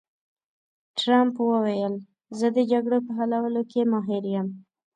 ټرمپ وویل، زه د جګړو په حلولو کې ماهر یم.